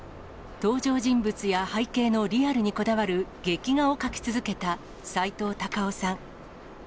登場人物や背景のリアルにこだわる劇画を描き続けたさいとう・たかをさん。